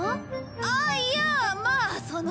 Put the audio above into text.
ああいやまあその。